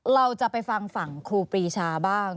เราจะไปฟังฝั่งครูปรีชาบ้าง